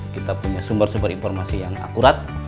kita punya sumber sumber informasi yang akurat